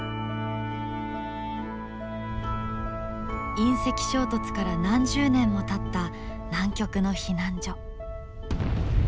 隕石衝突から何十年もたった南極の避難所。